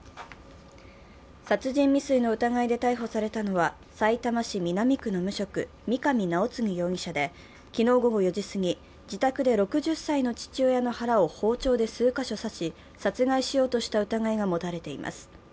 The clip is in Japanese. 殺人未遂の疑いで逮捕されたのは、さいたま市南区の無職・三上尚貢容疑者で、昨日午後４時過ぎ、自宅で６０歳の父親の腹を包丁で包丁で数か所刺し、殺害しようとした疑いが持たれています。